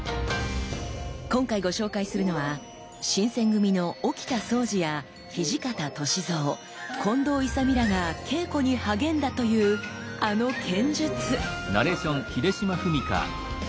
今回ご紹介するのは新選組の沖田総司や土方歳三近藤勇らが稽古に励んだというあの剣術！